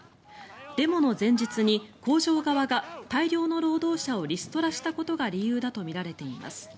デモの前日に工場側が大量の労働者をリストラしたことが理由だとみられています。